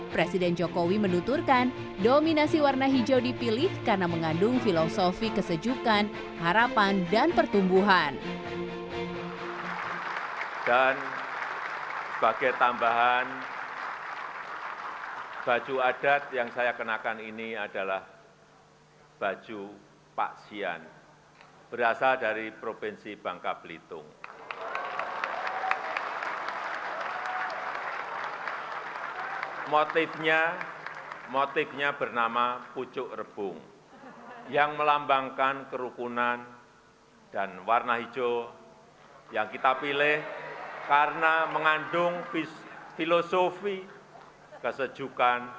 presiden jokowi menuturkan dominasi warna hijau dipilih karena mengandung filosofi kesejukan